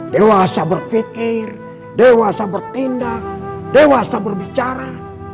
dewasa berpikir dewasa bertindak dewasa berbicara